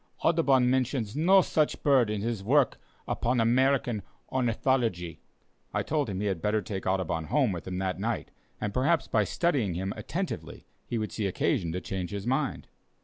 Audubon mentions no such bird in his work upon American Ornithology." I told him he had better take Audubon home with him that night, and perhaps by studying him attentively he would see occasion to change his mind.